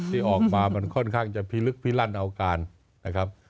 ที่ออกมามันค่อนข้างจะพิลึกพิลั่นเอาการนะครับ